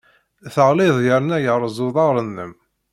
Teɣliḍ yerna yerreẓ uḍar-nnem.